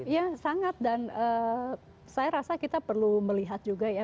ya sangat dan saya rasa kita perlu melihat juga ya